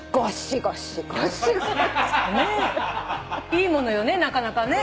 いいものよねなかなかね。